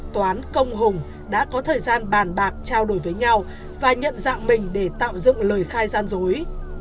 toán công hùng đã có thời gian bàn bạc trao đổi với nhau và nhận dạng mình để tạo dựng lời khai gian dối